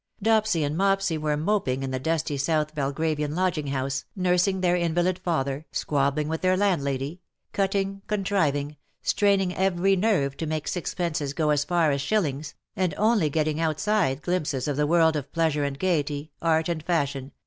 Dopsy 86 " PAIN FOR THY GIRDLE, and Mopsy "were moping in the dusty South Bel^ gravian lodging house, nursing their invalid father, squabbling with their landlady, cutting, contriving, straining every nerve to make sixpences go as far as shillings, and only getting outside glimpses of the world of pleasure and gaiety, art and fashion